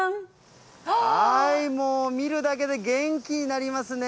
もう見るだけで元気になりますね。